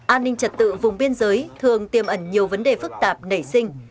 an ninh trật tự vùng biên giới thường tiêm ẩn nhiều vấn đề phức tạp nảy sinh